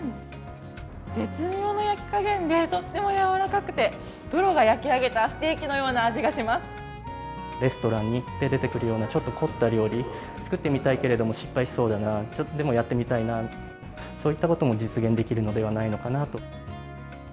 絶妙な焼き加減で、とっても軟らかくて、プロが焼き上げたステーキのような味がしまレストランに出てくるような、ちょっと凝った料理、作ってみたいけれども失敗しそうだな、でもやってみたいな、そういったことも実現できるのではないかなと。